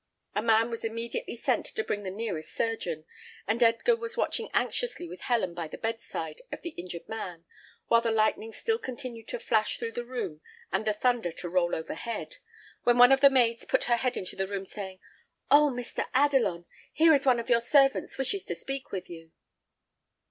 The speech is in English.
A man was immediately sent to bring the nearest surgeon; and Edgar was watching anxiously with Helen by the bedside of the injured man, while the lightning still continued to flash through the room and the thunder to roll overhead, when one of the maids put her head into the room, saying, "Oh, Mr. Adelon! here is one of your servants wishes to speak with you."